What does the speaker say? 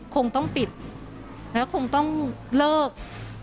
คงต้องปิดและคงต้องเลิก